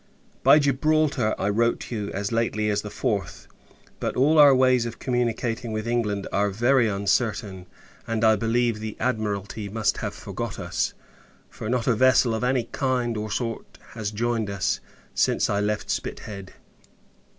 By Gibraltar, I wrote you, as lately as the 4th; but all our ways of communicating with England, are very uncertain: and, I believe, the Admiralty must have forgot us; for, not a vessel of any kind or sort has joined us, since I left Spithead.